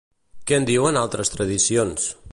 Què en diuen altres tradicions?